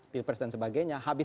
pilpres dan sebagainya